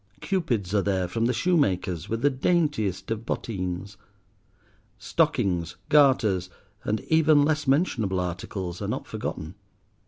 Cupids are there from the shoemakers with the daintiest of bottines. Stockings, garters, and even less mentionable articles, are not forgotten.